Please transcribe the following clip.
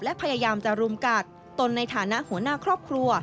และพยายามจะรุมกัดตนในฐานะหัวหน้าครอบครัว